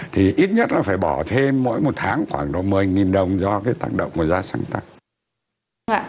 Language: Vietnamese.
thì ít nhất là phải bỏ thêm mỗi một tháng khoảng một mươi đồng do cái tác động của da xanh tăng